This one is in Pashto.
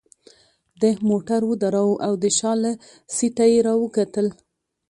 ده موټر ودراوه او د شا له سیټه يې راوکتل.